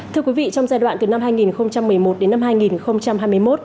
thưa quý vị trong giai đoạn từ năm hai nghìn một mươi một đến năm hai nghìn hai mươi một